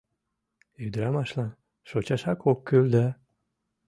Ӱдырамашлан шочашак ок кӱл да...